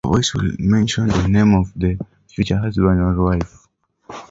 A voice will mention the name of your future husband or wife.